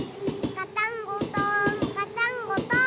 ガタンゴトンガタンゴトン。